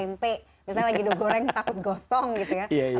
misalnya lagi udah goreng takut gosong gitu ya